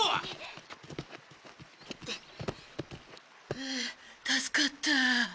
ふう助かった。